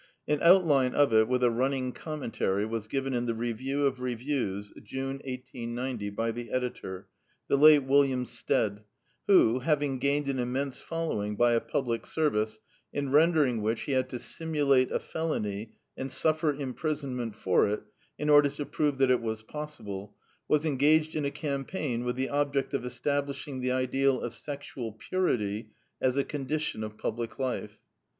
An outline of it, with a running commentary, was given in The Review of Reviews (June, 1890) by the editor, the late William Stead, who, having gained an immense following by a public service, in render ing which he had to simulate a felony and suffer imprisonment for it in order to prove that it was possible, was engaged in a campaign with the object of establishing the ideal of sexual *' purity " as a condition of public life.